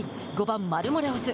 ５番マルモレホス。